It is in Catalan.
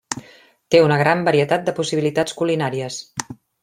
Té una gran varietat de possibilitats culinàries.